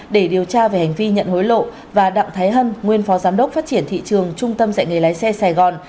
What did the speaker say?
để điều tra về hành vi nhận hối lộ và đặng thái hân nguyên phó giám đốc phát triển thị trường trung tâm dạy nghề lái xe sài gòn